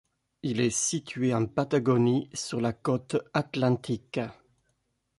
Il est situé en Patagonie, sur la côte atlantique.